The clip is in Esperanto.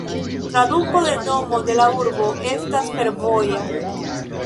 Traduko de nomo de la urbo estas "fervoja".